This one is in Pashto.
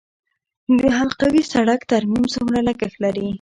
د حلقوي سړک ترمیم څومره لګښت لري؟